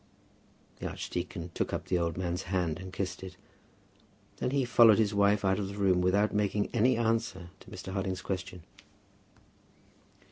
The archdeacon took up the old man's hand and kissed it. Then he followed his wife out of the room, without making any answer to Mr. Harding's question.